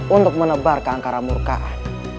untuk menebar keangkaramurkaan